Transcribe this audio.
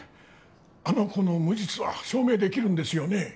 あの子の無実は証明できるんですよね？